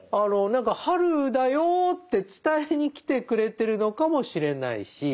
何か「春だよ」って伝えに来てくれてるのかもしれないし。